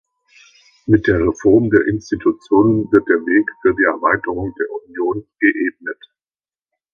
Mit der Reform der Institutionen wird der Weg für die Erweiterung der Union geebnet.